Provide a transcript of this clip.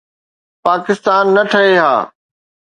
پاڪستان نه ٺهي ها.